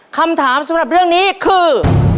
คำถามสำหรับเรื่องนี้คือ